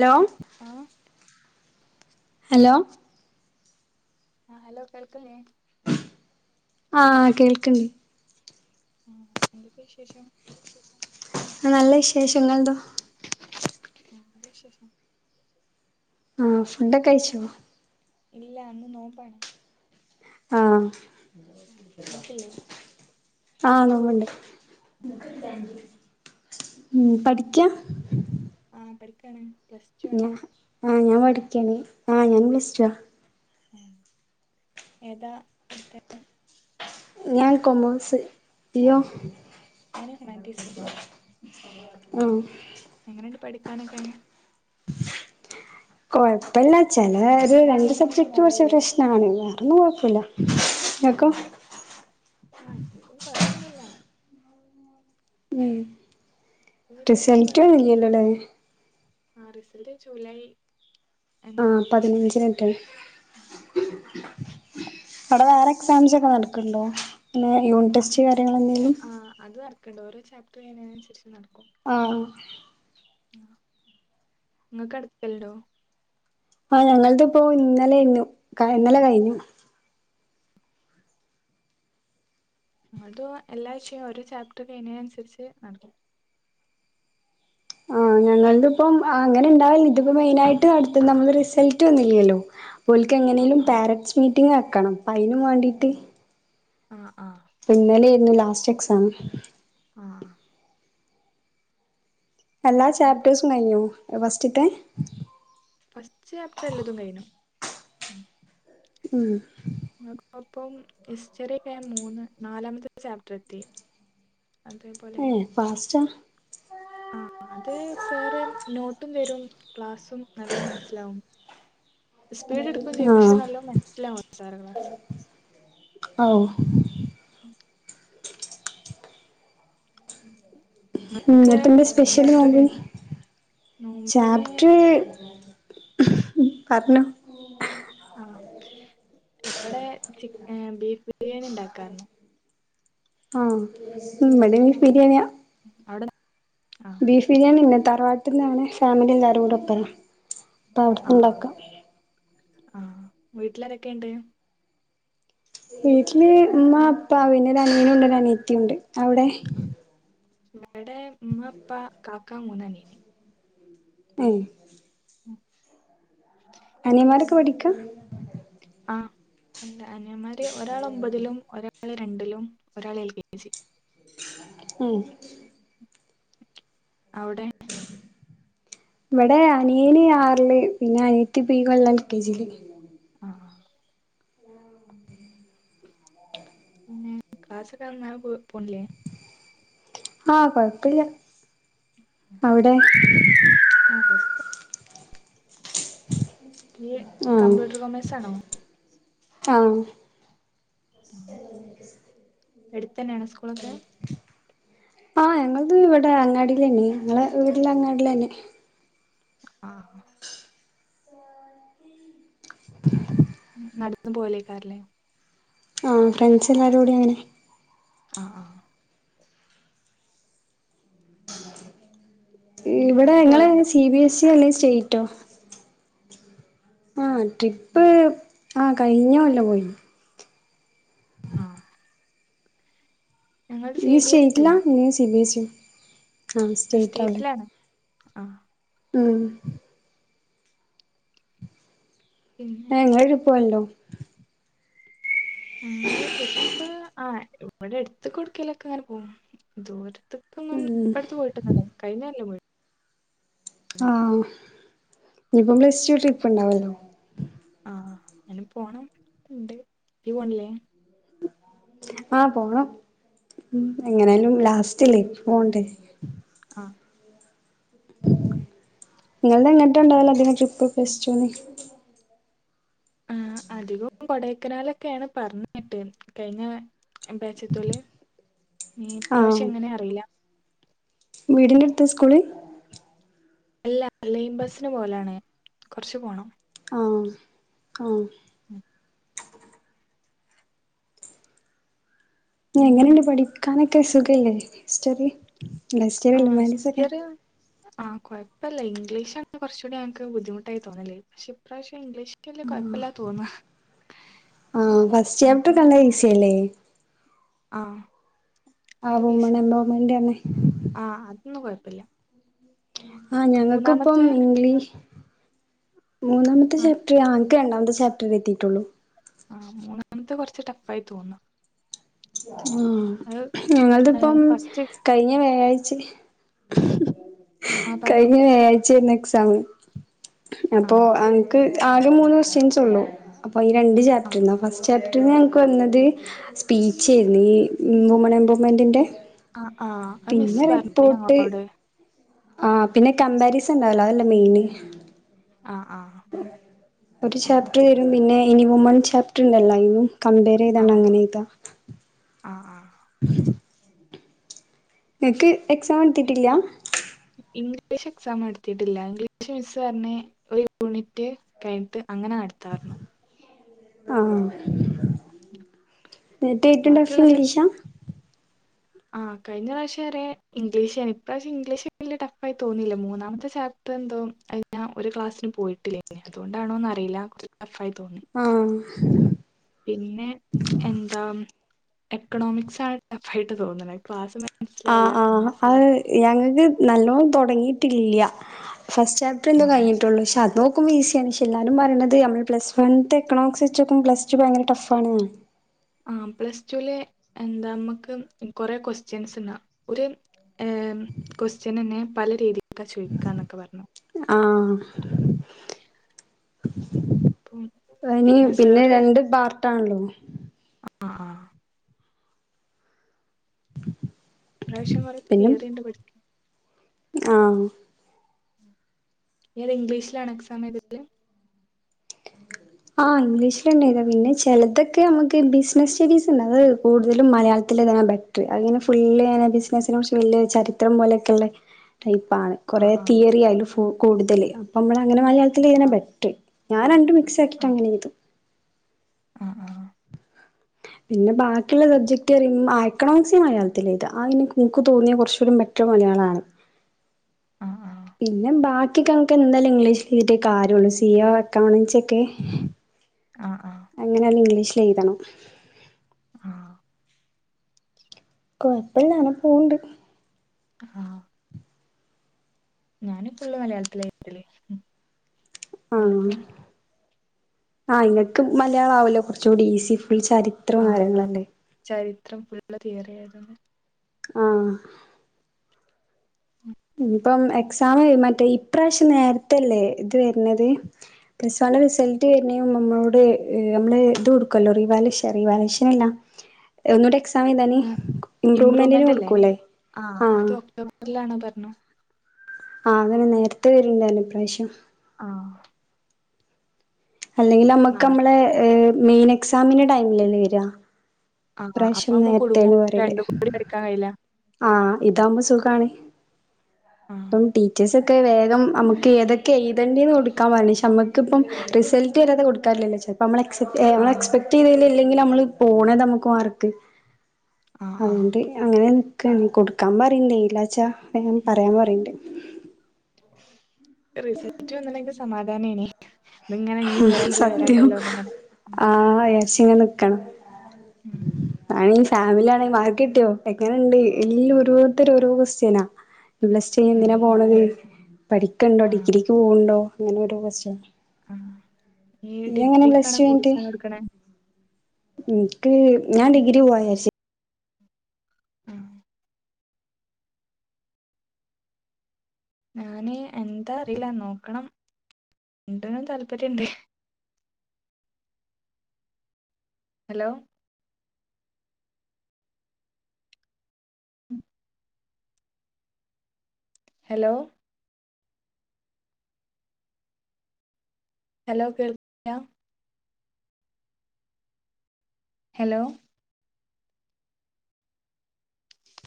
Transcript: Hello ആഹ് hello ആഹ് hello കേൾക്കില്ലേ ആഹ് കേൾക്ക്ണ്ട് ആഹ് എന്തൊക്കെ വിശേഷം? ആഹ് നല്ല വിശേഷം ഇങ്ങൾതോ നല്ല വിശേഷം ആഹ് ഫുണ്ടൊക്കെഴിച്ചോ ഇല്ല ന്ന് നോംമ്പാണ് ആഹ് ഇങ്ങൾത്തില്ലേ ആഹ് നോമ്പോണ്ട് ഉം പഠിക്കാ ആഹ് പഠിക്കാണ് പ്ലസ് ടു ആണ് ഞാ ഇപ്പോ ആഹ് ഞാൻ പഠിക്കാണി ആഹ് ഞാനും പ്ലസ്റ്റുവാ ഉം ഏതാ എടുത്തേ? ഞാൻ കൊമേഴ്സ് നീയോ? ഞാന് ഹ്യുമാനിറ്റീസ് ആഹ് എങ്ങനോണ്ട് പഠിക്കാനൊക്കെ കൊഴപ്പില്ല ചെല ഒരു രണ്ട് സബ്ജക്ട് കൊറച്ച് പ്രശ്നാണ് വേറൊന്നും കൊഴപ്പില്ല. ആഹ് ആഹ് എനിക്കും കൊഴപ്പൊന്നുല്ല ഉം വലിയ റിസൾറ്റ് [unintelligible] ല്ലോല്ലേ ആ റിസൽട്ട് ജൂലായ് ആഹ് പതിനഞ്ചിനെക്കെ അവടെ വേറെ എക്സാംസ് ഒക്കെ നടക്ക്ണ്ടോ പിന്നെ യു ആഹ് അതും എടക്കൊണ്ട് ഓരോ ചാപ്റ്റർ കഴിയാണേനനുസരിച്ച് നടക്കും. ആഹ് ആഹ് ഇങ്ങക്ക് [unintelligible] ആഹ് ഞങ്ങൾത് ഇപ്പോ ഇന്നലെ ഇന്നു ഇന്നലെ കഴിഞ്ഞു. ഞങ്ങൾതോ എല്ലാ വിഷയോം ഒരോ ചാപ്റ്റർ കഴിഞ്ഞെ അനുസരിച്ച് നടക്കും. ആഹ് ഞങ്ങൾതിപ്പം അങ്ങനെ ഇണ്ടാവില്ല ഇതിപ്പോ മെയിനായിട്ട് അടുത്ത നമ്മ റിസൾട്ട് വന്നില്ലല്ലോ പുള്ളിക്ക് ആഹ് എങ്ങനെലും ആഹ് പാരറ്റ്സ് മീറ്റിംഗ് വെക്കണം അപ്പോ അയിനും വേണ്ടിട്ട് ആഹ് ആഹ് പിന്നലെരുന്നു ലാസ്റ്റ് എക്സാമ് ആഹ് എല്ലാ അപ്പം ചാപ്റ്റേഴ്സും കഴിഞ്ഞോ ഫസ്റ്റിത്തെ ഫസ്റ്റ് ചാപ്റ്റർ എല്ലതും കഴിഞ്ഞു ഉം അപ്പൊപ്പം ഹിസ്റ്ററി ഒക്കെ മൂന്ന് നാലാമത്തെ ചാപ്റ്റർ എത്തി അതേപോലെ പാസ്റ്റാ ആഹ് അത് സാറ് നോട്ടും തരും ക്ലാസ്സും നല്ലോ മനസ്സിലാവും സ്പീഡ് എടുക്കയും ചെയ്യും ആഹ് പക്ഷെ നല്ലോ മനസ്സിലാവും സാറെ ക്ലാസ്സ് ആവു ഉം ഉം നിങ്ങക്ക് ഇന്നട്ട് എന്താ സ്പെഷ്യല് ചാപ്റ്റർ വാവെ കഴിഞ്ഞോ നോമ്പിന് ചാപ്റ്റർ പറഞ്ഞോ ആഹ് ഇവിടെ ചിക്ക ഏഹ് ബീഫ് ബിരിയാണി ഉണ്ടാക്കാരുന്നു ആഹ് ഇവിടിം ബീഫ് ബിരിയാണിയ അവിടെ എ ആഹ് ബീഫ് ബിരിയാണിന്നെ തറവാട്ട്ന്നാണ് ഫാമിലി എല്ലാവാരും കൂടെ ഒപ്പര ആഹ് ആഹ് വീട്ടിലാരൊക്കെയുണ്ട് വീട്ടില് ഉമ്മ ഇപ്പാ പിന്നെരു അനീയനുണ്ട് അനീത്തി ഉണ്ട് അവിടെ ഇവടെ ഇമ്മ ഇപ്പാ കാക്ക മൂന്ന് അനിയന് ഏഹ് ഉം അനിയൻമാർ ഒക്കെ പഠിക്ക ആഹ് അനിയൻമാർ ഒരാൾ ഒമ്പതിലും ഒരാൾ രാള് രണ്ടിലും ഒരാള് എൽ കെ ജി ഉം അവ്ടെ ഇവിടെ അനിയന് ആറില്, പിന്നെ അനിയത്തി ഇപ്പം ഈ കൊല്ലം എൽ കെ ജി യിൽ ആഹ് പിന്നെ ക്ലാസ്സ് നന്നായി പോണില്ലേ ആഹ് കൊഴപ്പില്ല. അവിടെ ആ [unintelligible] ഇയ്യ് ആഹ് കമ്പ്യൂട്ടർ കോമേഴ്സ് ആണോ ആഹ് ഉം എടുത്ത് തന്നെയാണോ സ്കൂൾ ആഹ്. ഞങ്ങളത് ഇവിടെ അങ്ങാടിയിൽ തന്നെ. ഞങ്ങളെ വീട് ഉളള അങ്ങാടിയിൽ തന്നെയാ. ആഹ് [inaudible] നടന്നു പോകലായികാരല്ലേ ആ ഫ്രണ്ട്സ് എല്ലാരും കൂടി അങ്ങനെ ആഹ് ആഹ് ഇവിടെ നിങ്ങള് പോവലുണ്ടോ സി ബി എസ് ഇ, ഓ അല്ലെങ്കിൽ സ്റ്റേറ്റോ. ആ ട്രിപ്പ്, ആ കഴിഞ്ഞ കൊല്ലം പോയിനി ആഹ് ഞങ്ങളത് സി നീ ബി എസ് അല്ല സ്റ്റേറ്റിലാ അല്ലെങ്കിൽ സി. ബി. എസ് ഇ ഓ സ്റ്റേറ്റിലാണ് ആഹ് ഉം പിന്നെ ഏ നിങ്ങള് ട്രിപ്പ് പോവലുണ്ടോ? ഞങ്ങള് ട്രിപ്പ്, ആ ഇവിടെ അടുത്ത് ടുക്കാലൊക്കെ അങ്ങനെ പോകും. ദൂരത്ത് ഇപ്പൊന്നും അടുത്ത് പോയിട്ടില്ല. കഴിഞ്ഞ കൊല്ലം പോയിനു. ആഹ് ഇനിപ്പോ പ്ലസ്ടു ട്രിപ്പ് ഉണ്ടാവല്ലോ. ആഹ് അയിന് പോണം ഉണ്ട്. ഇജ്ജ് പോണില്ലേ? ആഹ് പോണം. ആഹ് എങ്ങനാലും ലാസ്റ്റല്ലേ പോണ്ടേ ആഹ് നിങ്ങള്ടെ എങ്ങട്ടാ ഉണ്ടാവല്. ട്രിപ്പ്ക്കെ പ്ലസ്ടുവിന്? ആ അധികവും കൊടൈക്കനാലൊക്കെയാണ് പറഞ്ഞ് കേട്ടത്. കഴിഞ്ഞ ബാച്ചിത്തോല്. ഇനി ഇപ്രാവശ്യം എങ്ങനെയാ അറിയില്ല. വീടിൻ്റടുത്താ സ്കൂള്? അല്ല. ലൈൻ ബസ്സിന് പോവലാണ്. കുറച്ച് പോണം. ആഹ്, ആഹ് ഉം പിന്നെ എങ്ങനെയുണ്ട് പഠിക്കാനൊക്കെ സുഖല്ലേ, ഹിസ്റ്ററി? അല്ല ഹിസ്റ്ററി അല്ല ആഹ് ഹ്യൂമാനിറ്റീസ് ഒക്കെ ഹിസ്റ്ററി ആഹ് കൊഴപ്പല്ല ഇംഗ്ലീഷ് ആണ് കുറച്ചൂടെ ഞങ്ങക്ക് ബുദ്ധിമുട്ടായി തോന്നൽ. പക്ഷെ ഇപ്രാവശ്യം ഇംഗ്ലീഷ് വലിയ കെഴപ്പല്ല തോന്ന ആഹ്. ഫസ്റ്റ് ചാപ്റ്റർ നല്ല ഈസിയല്ലേ? ആ ആ വുമൺ എൻ്റോൻമെന്റ് ആണ് ഒന്നും കെഴപ്പില്ല ആ ഞങ്ങൾക്കിപ്പം ഇംഗ്ലീഷ് മൂന്നാമത്തെ ചാപ്റ്റർ, ആഹ് ആ ഇന്ക്ക് രണ്ടാമത്തെ ചാപ്റ്റർ എത്തിയിട്ടുള്ളൂ. ആഹ് മൂന്നാമത്തെ കുറച്ച് ടഫ് ആയി തോന്ന. മ് ഏഹ് ഞങ്ങളതിപ്പം ഫസ്റ്റ് കഴിഞ്ഞ വ്യാഴാഴ്ച ആ പറഞ്ഞോ കഴിഞ്ഞ വ്യാഴാഴ്ച ആയിരുന്നു എക്സാം. ആ അപ്പൊ അന്ക്ക് ആകെ മൂന്ന് ക്വസ്റ്റ്യൻസ് ഉള്ളു അപ്പൊ ഈ രണ്ട് ആ ചാപ്റ്റർന്നാ ആ ഫസ്റ്റ്. ചാപ്റ്ററി ഞങ്ങൾക്ക് വന്നത് സ്പീച് ആയിരുന്നു ഈ വുമൺ എംപവർ മെൻറിൻ്റെ. ആ ആ അത് മിസ്സ് പറഞ്ഞീനി ഞങ്ങളോട്. ആ പിന്നെ കമ്പാരിസൺ ഉണ്ടാവല്ലോ അതല്ലേ മെയിന്. അ ആഹ്. ഒരു ചാപ്റ്റർ തരും പിന്നെ ഇനി വുമ ൺ ചാപ്റ്റർ ഉണ്ടല്ലോ ആയിനും കമ്പെ ചെയ്താണ്ട അങ്ങനെയ്താ. അ ആ. [inaudible] നിനക്ക് എക്സാം എത്തീട്ടില്ല. ഇംഗ്ലീഷ് എക്സാം എടുത്തിട്ടില്ല ഇംഗ്ലീഷ് മിസ്സ് പറഞ്ഞ്. ഒരു യൂണിറ്റ് കഴിഞ്ഞിട്ട് അങ്ങനെ നടത്താർഞ്ഞു. ആഹ് ന്നട്ട് ഏറ്റവും ടഫ് ഇംഗ്ലീഷാ? ആഹ് കഴിഞ്ഞ പ്രാവശം വരെ ഇംഗ്ലീഷേ നി ഇപ്രാവശ്യം ഇംഗ്ലീഷ് വലിയ ടഫായി തോന്നില്ല. മൂന്നാമത്തെ ചാപ് ഇപ്പ എന്തോ ഞാൻ ഒരു ക്ലാസ്സിന് പോയിട്ടില്ലേ അതുകൊണ്ടാണോന്ന അറിയില്ല കുറച്ച് ടഫ് ആയി തോന്നി. ആഹ് പിന്നെ എന്താ എക്കണോമിക്സ് ആണ് ടഫ് ആയിട്ട് തോന്നുണ ക്ലാസ് ആ മനസ്സിലാവില്ല ആഹ് പിന്നെ അഹ്. ഞങ്ങക്ക് നല്ലോം താെടെങ്ങീട്ടില്ല്യാ ഫസ്റ്റ് ആ ചാപ്റ്റെറെന്തോ ആ കഴിഞ്ഞിട്ടാെള്ളൂ പക്ഷേ അതോ ക്കുമ്പം ഈസ്യാണ് ഷെ എല്ലാരും പറയ്ണത് നമ്മള് പ്ലസ്‌വൺത്തെ എക്കണോമിക്സെച്ചാേക്കുമ്പം പ്ലസ്റ്റു ഭയങ്കര ടഫാണ്ന്ന് ആഹ് പ്ലസ്റ്റൂല് എന്താ മ്മക്ക് കൊറേ കൊസ്റ്റ്യെൻസ്ണ്ടാവും ഒര് ഏം കൊസ്റ്റ്യനെന്നെ പല രീതിക്കാ ചോയ്ക്കാന്നൊക്കെ പർഞ്ഞു ആഹ് അപ്പം എനി പിന്നെ രണ്ട് പാർട്ടാണ്ല്ലോ ആഹ് ആഹ് ഇപ്രാവ്ശ്യം കൊറേ പിന്നെ തിയറിണ്ട് പഠിക്കാ ആഹ് ഏത് ഇംഗ്ലീഷ്ലാണോ എക്സാമെഴ്തല് ആഹ് ഇഗ്ലീഷിലെന്നെഴ്താ പിന്നെ ചെലെതൊക്കെ ഞമ്മക്ക് ബിസ്നസ് സ്റ്റഡീസ്ണ്ട് അത് കൂട്തലും മലയാളത്തിലെഴ്ത്ണാ ബെ റ്റ്ർ അത്ങ്ങെനെ ഫുള്ള്ങ്ങെനെ ബിസ്നസ്നെ കുർച്ച് വെല്യെ ചരിത്രം പോലെയൊക്കെള്ളെ ടൈപ്പാണ് ആ കാെറേ ആ തിയെറി അയ്ല് ഫു കൂട്തെല് അപ്പം അമ്മളങ്ങെനെ മലയാൾത്ത്ലെയ്ത്ണാ ആ ബെറ്റ്റ് ഞാന ങ്ങനെ മിക്സാക്കീട്ടങ്ങെനെയ്തും ആഹ് ആഹ് പിന്നെ ബാക്കിള്ള സബ്ജെക്ട് അറിം ആഹ് എക്കണോമിക്സ് ഞാൻ മലയാൾത്ത്ലാ എയ്താ ആ ഇൻ ഇൻക്ക് തോന്നിയ കൊർച്ചൂടിം ബെ റ്റ്ർ മലയാളാണ് ആഹ് ആഹ് പിന്നെ ബാക്ക്യൊക്കെ ഞമ്മക്ക് എന്തായാലും ഇംഗ്ലീഷ്ലെയ്തേ കാര്യാെള്ളു സി ഓ എക്കൗണ്ടൻസ്യൊക്കെ ആഹ് ആഹ് എങ്ങെന്യാലും ഇംഗ്ലീഷ്ലെയ്തെണം ആഹ് കൊയ്പ്പല്ല അങ്ങനെ പോവ്ണ്ട് ആഹ് ഞാന് ഫുള്ള് മലയാൾത്തില എയ്തെല് ഉം ആഹ് എല്ലതും ആഹ് ഇങ്ങെക്ക് മലയാളാവല്ലോ കാെർച്ചൂടി ഈസി ഫുൾ ചരി ആഹ് ആഹ് ചരിത്രം ഫുള്ള് തിയെറ്യാ എഴ്ത്‌ന്നെ ആഹ് ഉം ഇനിപ്പം എക്സാം മറ്റേ ഇപ്രാശ്യം നേര്ത്തെല്ലേ ഇത് വെര്നെത് പ്ലസ് വണ്ണ് റിസെൾട്ട് വെര്ണേന്‌മുന്പ് മ്മളോട് അമ്മെള് ഇത് കൊടുക്കല്ലോ റിവാല് ഷേ റിവാല്വേഷനല്ലാ ഒന്നൂടെ എക്സാമെയ്താന് ഇമ്പ്രൂമെന്റിന് ഇംപ്രൂവ്മെന്റ് കൊട്ക്കൂലേ ആഹ് ല്ലാണ് പർഞ്ഞു ആഹ് അങ്ങനെ നേര്ത്തെ വെര്ണ്ട്ർഞ്ഞു ഇപ്രാവ്ശ്യം ആഹ് അല്ലെങ്ങില് അമ്മക്ക് ആറ് അമ്മളെ ഏഹ് മെയ്നെക്സാമ്ന്റെ ടൈമിലെല്ലേ വെരാ ആഹ് അപ്പ അമ്മ കുട്ങ്ങും പറയല് രണ്ടും കൂടി പഠിക്കാൻ കഴിയ്ല ആഹ് ഇതാവുമ്പ സുഖാണ് ആ പ്പം ടീച്ചേഴ്സാെ ക്കെ വേഗം അമ്മക്ക് ഏതൊക്കെ എയ്തെണ്ട്യേന്നൊട്ക്കാൻ പർഞ്ഞ് ഷെ അമ്മക്ക്പ്പം റിസെൾട്ട് വെരാതെ കൊട്ക്കാറ്റുലല്ലോ ചെൽപ്പം അമ്മെളെ എക്സെപ് ഏഹ് ഞമ്മെള് ആ എക്സ്പെക്ടെയ്തേല് ഇല്ലെങ്കില് അമ്മള് പോണെതെമ്മക്ക് മാർക്ക് ആ അതോണ്ട് അങ്ങെനെ ന്ക്കാണ് കൊട്ക്കാം പറീണ്ട് എയ്ലാച്ചാ [unintelligible] പറ്യാൻ പറീണ്ട്. റിസെൽറ്റ് വന്ന്ണെങ്കി സമാധാനേനി ത്ങ്ങെനെ ഇഞ്ഞും ഉം വെരാണ്ടല്ലോ സത്യം വെരാണ്ടല്ലോന്ന്ങ്ങെനെ ഉം ആഹ് വിചാരിച്ചിങ്ങനെ ഉം അയ്ന്‌ ഫാമിലി ആണെ മാർക്ക് കിട്ടിയോ എങ്ങനെണ്ട് എല്ലം ഓരോര്ത്തര് ഓരോ കൊസ്യനാ? പ്ലസ് ടു ഉം കയ്ഞ്ഞെന്തിനാ പോണത് പഠിക്ക്ണ്ടോ ആ ആ ഡിഗ്രിക്ക് പോവ്ണ്ടോ? അങ്ങനെ ഓരോ കൊസ്റ്റന നീ ഡിഗ്രിക്കാണോ കോഴ്‌സാണോ ട്ക്ക്ണെ? ഇൻക്ക് ഞാൻ ഞാന് ഡിഗ്രി പോവാച്ചാര്ച്ച്. ആഹ്. ഞാന് എന്താ അറീല്ല നോക്കണം. രണ്ട്നും താല്പര്യണ്ട്. ഹലോ. ഹലോ. ഹലോകേൾക്ക്ല്യാ? ഹലോ.